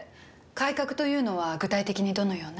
改革というのは具体的にどのような？